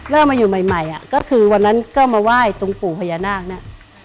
เริ่มมาอยู่ใหม่ก็คือวันนั้นก็มาไหว้ตรงปู่พยานาท